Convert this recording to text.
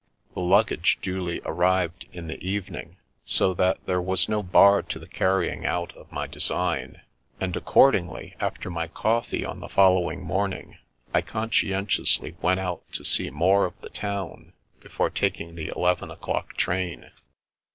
The luggage duly arrived in the evening, so that there was no bar to the carrying out of my design; and, accordingly, after my coffee on the following The Strange Mushroom 323 morning, I conscientiously went out to see more of the town before taking the eleven o'clock train.